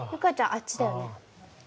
あっちだよね？